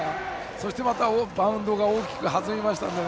そして、バウンドが大きく弾みましたので。